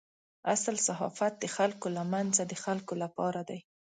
اصل صحافت د خلکو له منځه د خلکو لپاره دی.